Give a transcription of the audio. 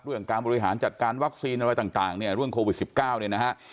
การบริหารจัดการวัคซีนอะไรต่างเนี่ยเรื่องโควิด๑๙เนี่ยนะฮะ